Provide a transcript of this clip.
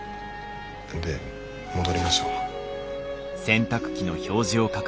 で戻りましょう。